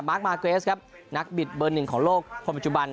มาร์เกรสครับนักบิดเบอร์หนึ่งของโลกคนปัจจุบัน